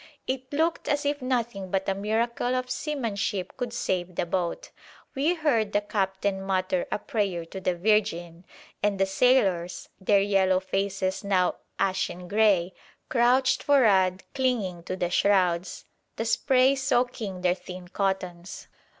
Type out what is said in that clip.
It looked as if nothing but a miracle of seamanship could save the boat. We heard the captain mutter a prayer to the Virgin, and the sailors, their yellow faces now ashen grey, crouched for'ad clinging to the shrouds, the spray soaking their thin cottons.